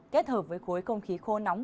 kết hợp với khối không khí khô nóng